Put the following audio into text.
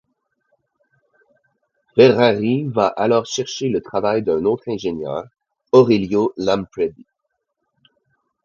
Ferrari va alors chercher le travail d'un autre ingénieur, Aurelio Lampredi.